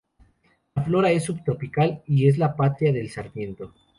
La flora es subtropical, y es la patria del sarmiento.